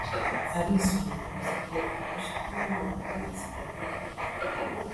Arisumbukuruza ngo aranashaka guhura na Perezida Paul Kagame